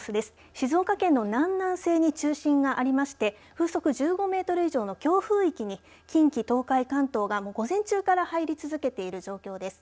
静岡県の南南西に中心がありまして風速１５メートル以上の強風域に近畿、東海、関東が午前中から入り続けている状況です。